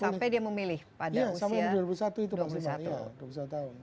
sampai dia memilih pada usia dua puluh satu tahun